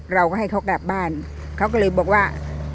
เราก็ให้เขากลับบ้านเขาก็เลยบอกว่า